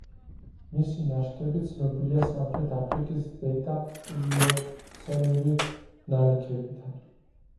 მისი ნაშთები ცნობილია სამხრეთ აფრიკის ზედაპლიოცენური ნალექებიდან.